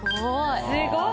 すごい。